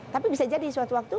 tapi bisa jadi suatu waktu